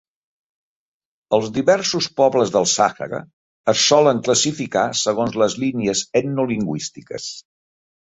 Els diversos pobles del Sàhara es solen classificar segons les línies etnolingüístiques.